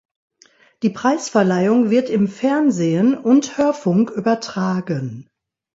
Die Preisverleihung wird im Fernsehen und Hörfunk übertragen.